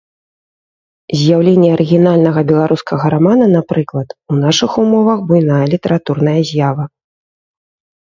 З'яўленне арыгінальнага беларускага рамана, напрыклад, у нашых умовах буйная літаратурная з'ява.